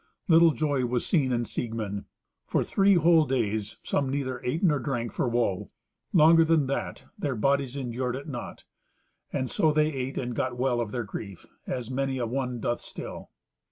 Little joy was seen in Siegmund. For three whole days some neither ate nor drank for woe. Longer than that their bodies endured it not. And so they ate and got well of their grief, as many a one doth still.